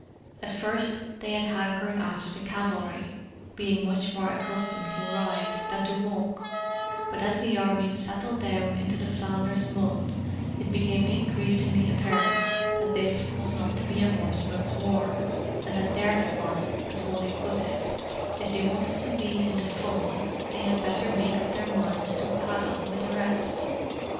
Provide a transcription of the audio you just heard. At first they had hankered after the cavalry, being much more accustomed to ride than to walk: but as the armies settled down into the Flanders mud it became increasingly apparent that this was not to be a horseman's war, and that therefore, as Wally put it, if they wanted to be in the fun, they had better make up their minds to paddle with the rest.